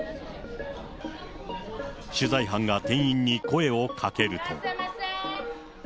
取材班が店員に声をかけると。